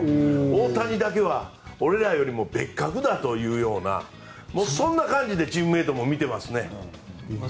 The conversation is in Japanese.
大谷だけは俺らよりも別格だというようなそんな感じでチームメートも見てますね。